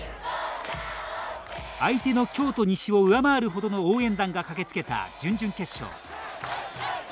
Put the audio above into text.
相手の京都西を上回るほどの応援団が駆けつけた準々決勝。